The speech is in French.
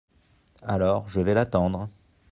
Alors, je vais l’attendre…